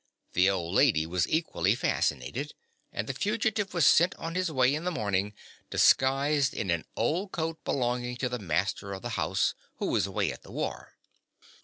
The old lady was equally fascinated; and the fugitive was sent on his way in the morning, disguised in an old coat belonging to the master of the house, who was away at the war.